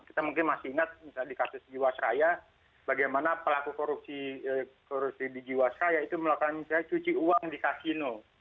kita mungkin masih ingat misalnya di kasus jiwasraya bagaimana pelaku korupsi di jiwasraya itu melakukan misalnya cuci uang di kasino